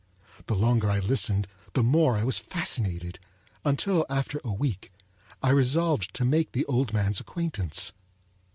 The longer I listened, the more I was fascinated, until after a week I resolved to make the old man's acquaintance.